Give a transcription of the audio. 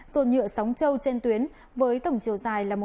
dồn nhựa sóng trâu trên tuyến với tổng chiều dài là một năm trăm năm mươi m